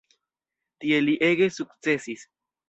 Tie li ege sukcesis.